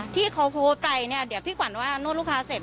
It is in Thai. ที่เขาโพสต์ไปเนี่ยเดี๋ยวพี่ขวัญว่านวดลูกค้าเสร็จ